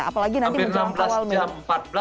apalagi nanti menjual awalnya